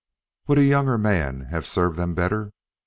Would a younger man have served them better?